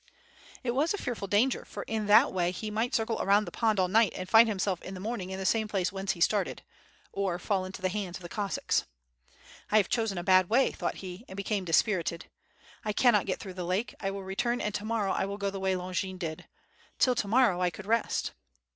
It was a fearful danger, for in that way he might circle around the pond all night and find himself in the morning in the same place whence he started, or fall into the hands of the Cossacks. "I have chosen a bad way," thought he, and became dis pirited. "I cannot get through the lake, I will return and to morrow I will go the way Longin did. Till to morrow I could rest."